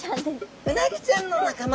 ウナギちゃんの仲間。